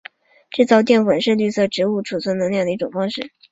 制造淀粉是绿色植物贮存能量的一种方式。